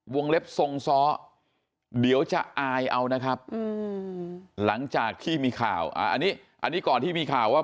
เล็บทรงซ้อเดี๋ยวจะอายเอานะครับหลังจากที่มีข่าวอันนี้อันนี้ก่อนที่มีข่าวว่า